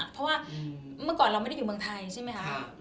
เพราะว่าเมื่อก่อนเราไม่ได้อยู่เมืองไทยใช่ไหมคะ